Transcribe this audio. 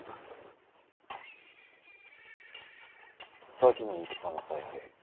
先の戦の采配